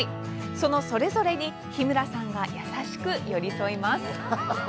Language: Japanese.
そのそれぞれに日村さんが優しく寄り添います。